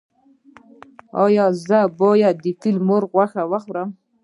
ایا زه باید د فیل مرغ غوښه وخورم؟